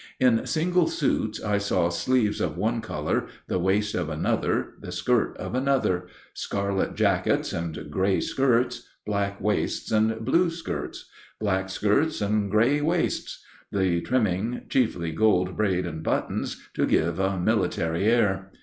In single suits I saw sleeves of one color, the waist of another, the skirt of another; scarlet jackets and gray skirts; black waists and blue skirts; black skirts and gray waists; the trimming chiefly gold braid and buttons, to give a military air.